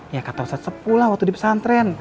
ya kata usah sepulah waktu di pesantren